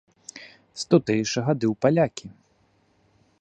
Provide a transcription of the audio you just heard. З тутэйшага ды у палякі!